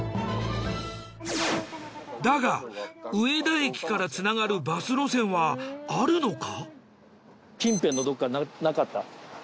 だが上田駅からつながるバス路線はあるのか？